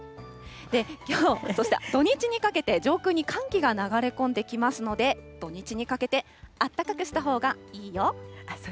きょう、そして土日にかけて、上空に寒気が流れ込んできますので、土日にかけてあったかくしたほうがいいよ。